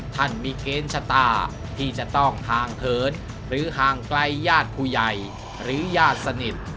ท่านมีเกณฑ์ชะตาที่จะต้องห่างเถินหรือห่างไกลญาติผู้ใหญ่หรือญาติสนิท